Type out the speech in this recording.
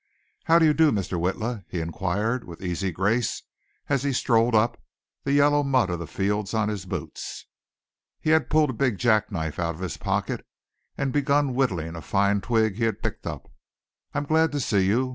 "How do you do, Mr. Witla," he inquired with easy grace as he strolled up, the yellow mud of the fields on his boots. He had pulled a big jackknife out of his pocket and begun whittling a fine twig he had picked up. "I'm glad to see you.